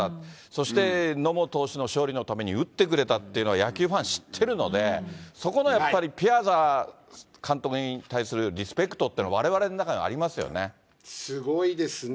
そして野茂投手の勝利のために打ってくれたっていうのが野球ファン、知ってるので、そこのやっぱりピアザ監督に対するリスペクトっていうの、われわすごいですね。